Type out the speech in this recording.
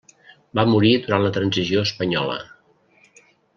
Va morir durant la transició espanyola.